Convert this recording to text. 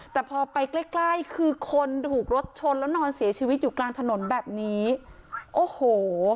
แต่พอไปใกล้ใกล้คือคนถูกรถชนแล้วนอนเสียชีวิตอยู่กลางถนนแบบนี้โอ้โห